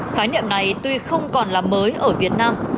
khái niệm này tuy không còn là mới ở việt nam